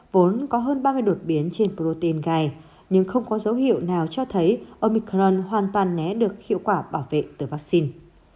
vốn có hơn ba mươi đột biến trên protein gai nhưng không có dấu hiệu nào cho thấy ông micron hoàn toàn né được hiệu quả bảo vệ từ vaccine